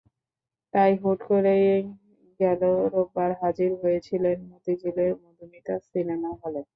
তাই হুট করেই গেল রোববার হাজির হয়েছিলেন মতিঝিলের মধুমিতা সিনেমা হলে।